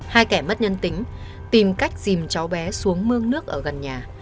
hai kẻ mất nhân tính tìm cách dìm cháu bé xuống mương nước ở gần nhà